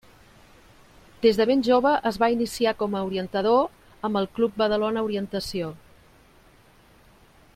Des de ben jove es va iniciar com a orientador amb el Club Badalona Orientació.